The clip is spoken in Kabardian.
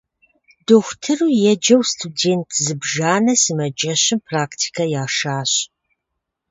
Дохутыру еджэу студент зыбжанэ сымаджэщым практикэ яшащ.